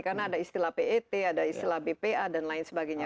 karena ada istilah pet ada istilah bpa dan lain sebagainya